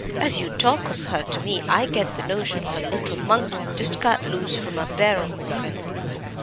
"As you talk of her to me I get the notion of a little monkey just cut loose from a barrel organ."